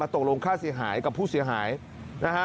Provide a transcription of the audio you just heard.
ตกลงค่าเสียหายกับผู้เสียหายนะฮะ